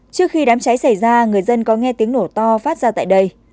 trước khi đám cháy xảy ra người dân có nghe tiếng nổ to phát ra tại đây